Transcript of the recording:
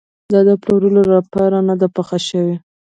دا د پلورلو لپاره نه ده پخه شوې.